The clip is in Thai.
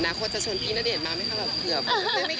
อนาคจะเชิญพี่นเดชมาไหมคะับเกือบ